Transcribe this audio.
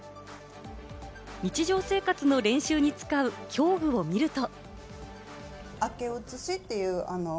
日常生活の練習に使う教具を見ると。